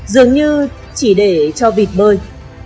dường như chỉ để cho vịt bơi